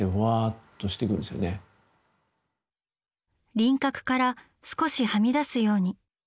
輪郭から少しはみ出すように。